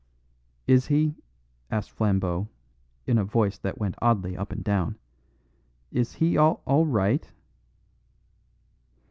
"Is he," asked Flambeau in a voice that went oddly up and down, "is he all right?"